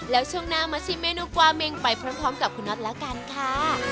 แล้วช่วงหน้ามาชิมเมนูกวาเมงไปพร้อมกับคุณน็อตแล้วกันค่ะ